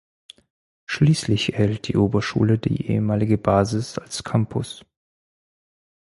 Schließlich erhielt die Oberschule die ehemalige Basis als Campus.